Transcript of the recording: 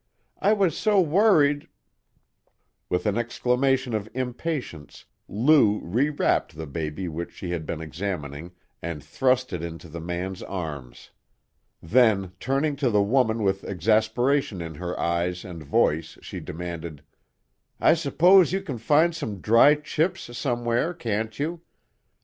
"I was so worried " With an exclamation of impatience Lou rewrapped the baby which she had been examining and thrust it into the man's arms. Then turning to the woman with exasperation in her eyes and voice she demanded: "I s'pose you can find some dry chips, somewhere, can't you?